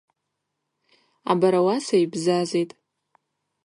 Абарауаса йбзазитӏ.